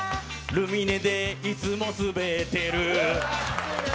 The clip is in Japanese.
ルミネでいつもすべってる。